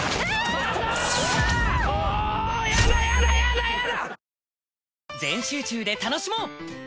もうやだやだやだやだ！